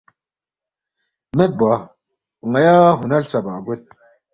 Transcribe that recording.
مید بوا ن٘یا ہُنر ہلژَبا گوید